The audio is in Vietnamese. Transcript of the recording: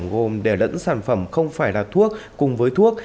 gồm để lẫn sản phẩm không phải là thuốc cùng với thuốc